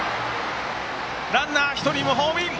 ランナー１人もホームイン！